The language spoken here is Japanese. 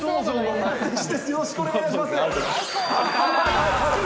よろしくお願いします。